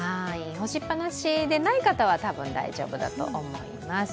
干しっぱなしでない方は多分大丈夫だと思います。